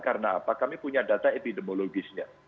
karena apa kami punya data epidemiologisnya